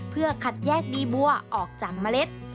เพื่อคัดแยกบีบัวออกจากเมล็ด